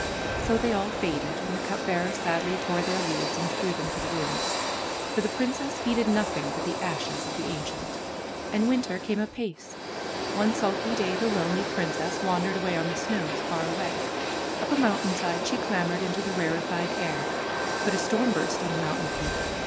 So they all faded and the cup bearer sadly tore their leaves and threw them to the winds. For the princess heeded noth ing but the ashes of the ancient. And winter came apace. .One sulky day the lonely 56 THE PRINCESS AND THE CUP BEARER princess wandered away on the snows, far away. Up a mountainside she clambered into the rarefied air. But a storm burst on the mountain peak.